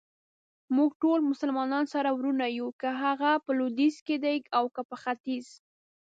موږټول مسلمانان سره وروڼه يو ،که هغه په لويديځ کې دي اوکه په ختیځ.